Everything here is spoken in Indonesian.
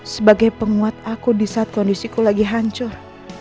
sebagai penguat aku di saat kondisiku lagi hancur